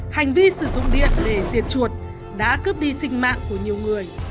hành vi sử dụng điện để diệt chuột đã cướp đi sinh mạng của nhiều người